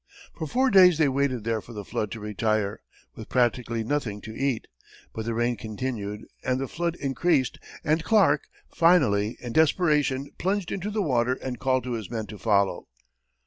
For four days they waited there for the flood to retire, with practically nothing to eat; but the rain continued and the flood increased, and Clark, finally, in desperation, plunged into the water and called to his men to follow.